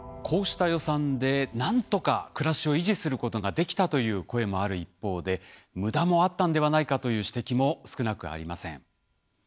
こうした予算でなんとか暮らしを維持することができたという声もある一方で無駄もあったんではないかという指摘も少なくありません。